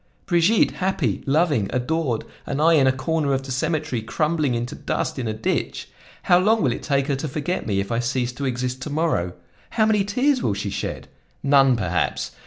Brigitte happy, loving, adored, and I in a corner of the cemetery, crumbling into dust in a ditch! How long will it take her to forget me if I cease to exist to morrow? How many tears will she shed? None, perhaps!